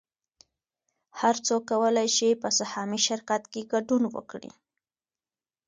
هر څوک کولی شي په سهامي شرکت کې ګډون وکړي